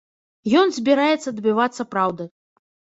Ён збіраецца дабівацца праўды.